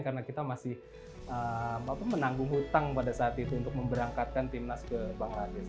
karena kita masih menanggung hutang pada saat itu untuk memberangkatkan timnas ke bangladesh